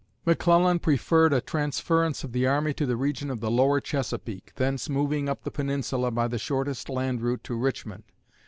McClellan preferred a transference of the army to the region of the lower Chesapeake, thence moving up the Peninsula by the shortest land route to Richmond.